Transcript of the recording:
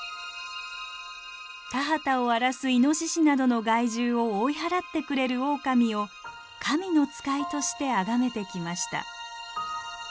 田畑を荒らすイノシシなどの害獣を追い払ってくれるオオカミを神の使いとしてあがめてきました。